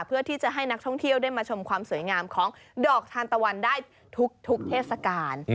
เพื่อที่จะให้นักท่องเที่ยวได้มาชมความสวยงามของดอกทานตะวันได้ทุกเทศกาล